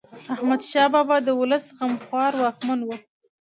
احمد شاه بابا د ولس غمخوار واکمن و.